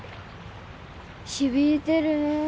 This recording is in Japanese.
響いてるね。